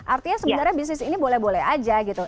artinya sebenarnya bisnis ini boleh boleh aja gitu